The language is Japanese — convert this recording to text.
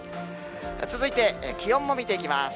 続いて気温も見ていきます。